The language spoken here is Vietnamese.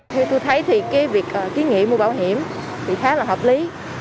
thì tôi thấy việc ký nghị mua bảo hiểm thì khá là hợp lý